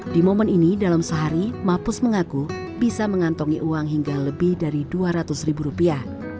di momen ini dalam sehari mapus mengaku bisa mengantongi uang hingga lebih dari dua ratus ribu rupiah